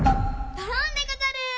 ドロンでござる。